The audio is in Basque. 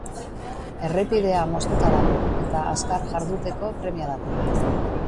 Errepidea moztuta dago, eta azkar jarduteko premia dago.